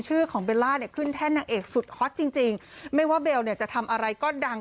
ชื่อของเบลล่าเนี่ยขึ้นแท่นนางเอกสุดฮอตจริงจริงไม่ว่าเบลเนี่ยจะทำอะไรก็ดัง